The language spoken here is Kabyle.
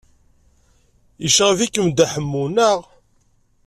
Yecɣeb-ikem Dda Ḥemmu, naɣ?